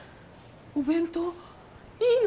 お弁当？いいの！？